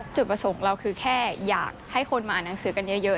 จุดประสงค์เราคือแค่อยากให้คนมาอ่านหนังสือกันเยอะ